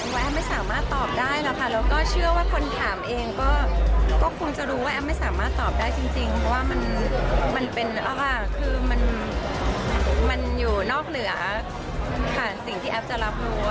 และไม่สามารถตอบได้หรอกค่ะแล้วก็เชื่อว่าคนถามเองก็คงจะรู้ว่าแอฟไม่สามารถตอบได้จริงเพราะว่ามันเป็นคือมันอยู่นอกเหนือผ่านสิ่งที่แอฟจะรับรู้